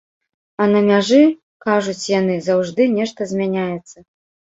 А на мяжы, кажуць яны, заўжды нешта змяняецца.